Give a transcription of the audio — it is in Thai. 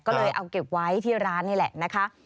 ก็เลยเอาเก็บไว้ที่ร้านนี่แหละนะคะ